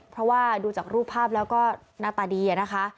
เพราะว่าดูจากรูปภาพแล้วก็หน้าตาดีนะคะ